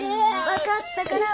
分かったから。